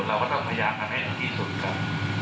เราก็ต้องพยายามทำให้พิสูฆ์กัน